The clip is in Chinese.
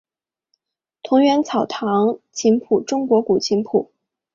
桐园草堂琴谱中国古琴谱。